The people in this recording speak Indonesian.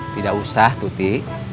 tidak usah tuti